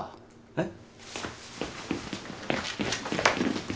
えっ？